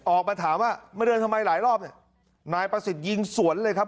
ออกมาถามว่ามาเดินทำไมหลายรอบเนี่ยนายประสิทธิ์ยิงสวนเลยครับ